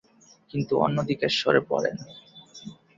কিন্তু অন্যদিকে সরে পড়েন।